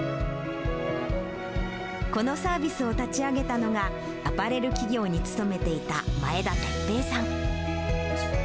このサービスを立ち上げたのが、アパレル企業に勤めていた前田哲平さん。